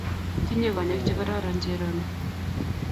Tinyei konyek chegororon Cherono